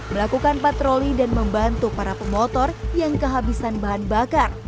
melakukan patroli dan membantu para pemotor yang kehabisan bahan bakar